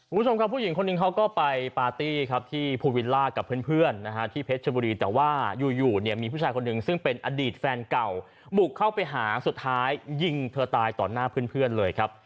คุณผู้ชมครับผู้หญิงคนหนึ่งเขาก็ไปปาร์ตี้ครับที่ภูวิลล่ากับเพื่อนนะฮะที่เพชรชบุรีแต่ว่าอยู่เนี่ยมีผู้ชายคนหนึ่งซึ่งเป็นอดีตแฟนเก่าบุกเข้าไปหาสุดท้ายยิงเธอตายต่อหน้าเพื่อนเลยครับ